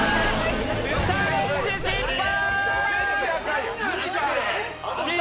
チャレンジ失敗！